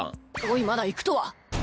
おいまだ「行く」とは。